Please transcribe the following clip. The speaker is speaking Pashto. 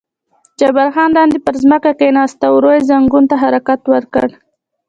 جبار خان لاندې پر ځمکه کېناست او ورو یې زنګون ته حرکات ورکړل.